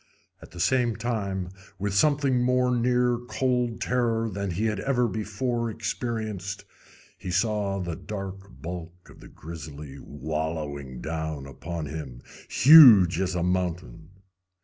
At the same time, with something more near cold terror than he had ever before experienced, he saw the dark bulk of the grizzly wallowing down upon him, huge as a mountain.